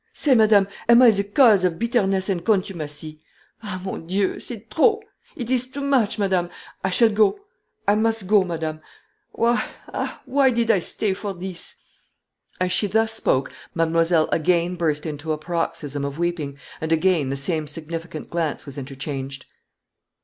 say, madame, am I the cause of bitterness and contumacy? Ah, mon Dieu! c'est trop it is too much, madame. I shall go I must go, madame. Why, ah! why, did I stay for this?" As she thus spoke, mademoiselle again burst into a paroxysm of weeping, and again the same significant glance was interchanged.